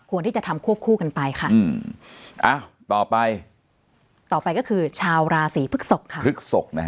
ที่จะทำควบคู่กันไปค่ะอืมอ้าวต่อไปต่อไปก็คือชาวราศีพฤกษกค่ะพฤกษกนะฮะ